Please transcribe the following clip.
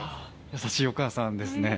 優しいお母さんですね。